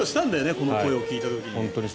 この声を聴いた時に。